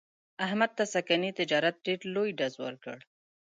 احمد ته سږني تجارت ډېر لوی ډز ور کړ.